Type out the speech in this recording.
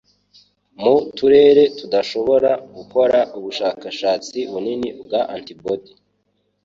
mu turere tudashobora gukora ubushakashatsi bunini bwa antibody.